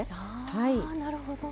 なるほど。